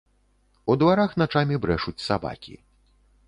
У дварах начамі брэшуць сабакі.